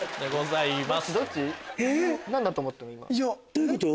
どういうこと？